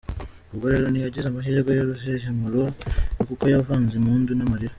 Ubwo rero ntiyagize amahirwe y'uruhehemure, kuko yavanze impundu n'amarira.